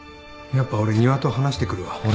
やっぱ俺仁和と話してくるわ。